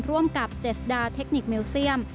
ร่วมกับเจษดาเทคนิคเมลเซียม